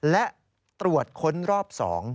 และตรวจค้นรอบ๒